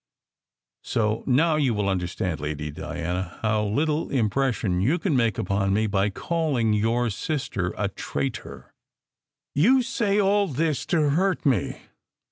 So now you will understand, Lady Diana, how little impression you can make upon me by calling your sister a traitor." "You say all this to hurt me!"